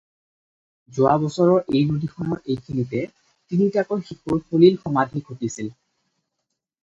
যোৱা বছৰ এই নদীখনৰ এইখিনিতে তিনিটাকৈ শিশুৰ সলিল-সমাধি ঘটিছিল।